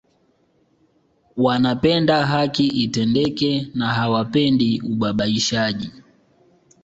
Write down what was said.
Wanapenda haki itendeke na hawapendi ubabaishaji